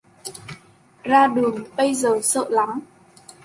Ra đường bây giờ sợ lắm